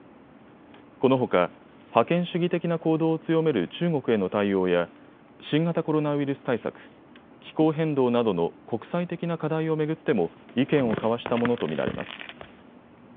このほか覇権主義的な行動を強める中国への対応や新型コロナウイルス対策、気候変動などの国際的な課題を巡っても意見を交わしたものと見られます。